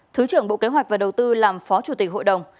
thứ trưởng bộ kế hoạch và đầu tư làm phó chủ tịch hội đồng